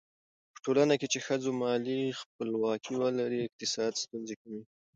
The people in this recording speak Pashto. په ټولنه کې چې ښځو مالي خپلواکي ولري، اقتصادي ستونزې کمېږي.